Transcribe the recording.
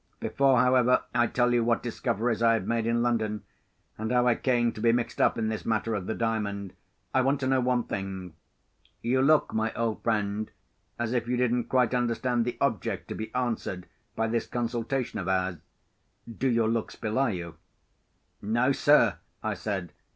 Before, however, I tell you what discoveries I have made in London, and how I came to be mixed up in this matter of the Diamond, I want to know one thing. You look, my old friend, as if you didn't quite understand the object to be answered by this consultation of ours. Do your looks belie you?" "No, sir," I said.